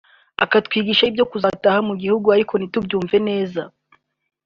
akatwigisha ibyo kuzataha mu gihugu ariko ntitubyumve neza